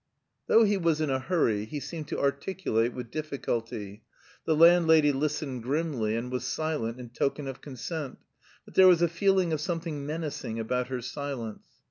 Though he was in a hurry, he seemed to articulate with difficulty. The landlady listened grimly, and was silent in token of consent, but there was a feeling of something menacing about her silence.